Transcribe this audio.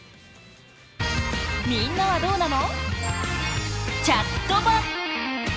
みんなはどうなの？